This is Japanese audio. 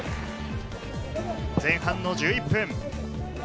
前半の１１分。